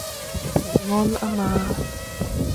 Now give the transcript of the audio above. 平安吖嘛